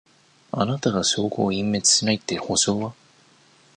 あなたが証拠を隠滅しないって保証は？